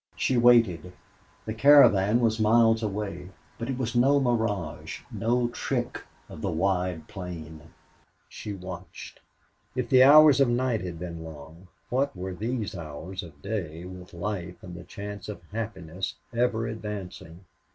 She waited. The caravan was miles away. But it was no mirage, no trick of the wide plain! She watched. If the hours of night had been long, what were these hours of day with life and the chance of happiness ever advancing?